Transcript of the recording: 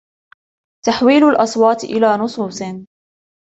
تحويل الأصوات الى نصوص